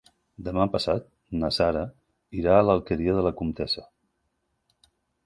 Demà passat na Sara irà a l'Alqueria de la Comtessa.